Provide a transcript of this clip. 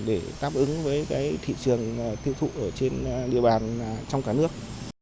để đáp ứng với thị trường tiêu thụ ở trên địa bàn trong cả nước